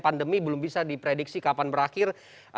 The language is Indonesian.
pandemi belum bisa diprediksi kapan berakhir